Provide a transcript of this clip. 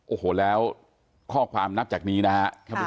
โอ้โหแล้วข้อความนับจากนี้นะครับ